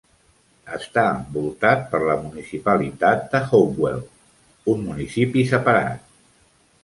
Està envoltat per la municipalitat de Hopewell, un municipi separat.